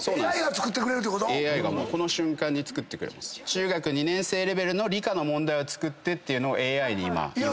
中学２年生レベルの理科の問題を作ってっていうのをＡＩに今。